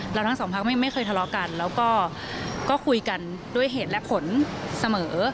ทั้งสองพักไม่เคยทะเลาะกันแล้วก็คุยกันด้วยเหตุและผลเสมอ